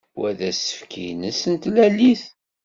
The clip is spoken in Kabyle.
Wa d asefk-nnes n Tlalit.